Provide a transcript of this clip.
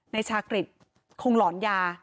ในชากฤทธิ์คงหลอนยา